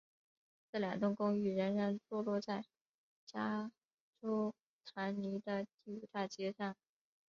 这两栋公寓依然坐落在加州唐尼的第五大街上。